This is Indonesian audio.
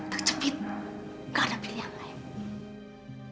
terjepit gak ada pilihan lain